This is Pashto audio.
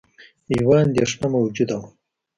یوه اندېښنه موجوده وه